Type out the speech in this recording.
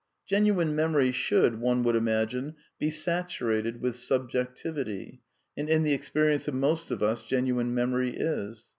Genuine memory should, one would imagine, be / saturated with subjectivity, and in the experience of most of us genuine memory is.